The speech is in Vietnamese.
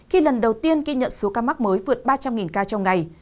khi lần đầu tiên ghi nhận số ca mắc mới vượt ba trăm linh ca trong ngày